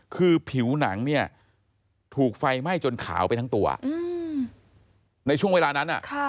คือผิวหนังเนี่ยถูกไฟไหม้จนขาวไปทั้งตัวในช่วงเวลานั้น